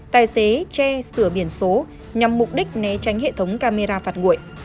tài xế che sửa biển số nhằm mục đích né tránh hệ thống camera phạt nguội